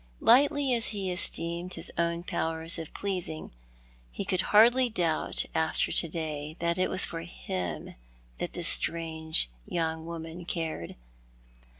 Lightly as he esteemed his own powers of pleasing, he could hardly doubt after to day that it was for him this strange young woman cared.